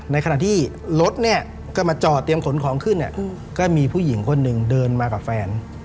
ในขณะที่รถเนี่ยก็มาจอดเตรียมขนของขึ้นเนี่ยก็มีผู้หญิงคนหนึ่งเดินมากับแฟน